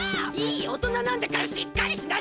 いいおとななんだからしっかりしなさい！